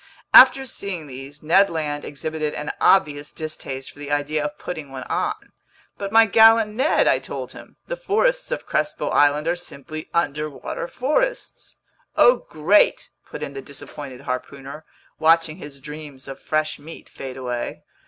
After seeing these, Ned Land exhibited an obvious distaste for the idea of putting one on. "But my gallant Ned," I told him, "the forests of Crespo Island are simply underwater forests!" "Oh great!" put in the disappointed harpooner, watching his dreams of fresh meat fade away.